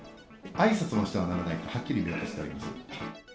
あいさつもしてはならないとはっきり明記してあります。